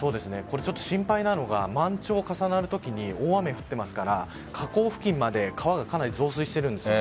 心配なのが満潮が重なるときに大雨が降っていますから河口付近まで川がかなり増水しているんです。